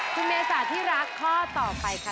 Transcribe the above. คุณเมษาที่รักข้อต่อไปค่ะ